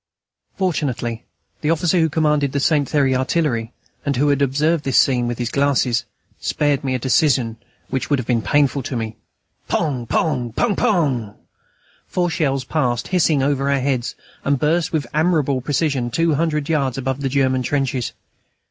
Fortunately, the officer who commanded the Saint Thierry artillery, and who had observed this scene with his glasses, spared me a decision which would have been painful to me. Pong! Pong! Pong! Pong! Four shells passed, hissing, over our heads, and burst with admirable precision two hundred yards above the German trenches.